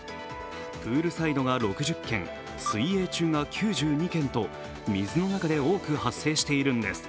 プールサイドが６０件、水泳中が９２件と水の中で多く発生しているんです。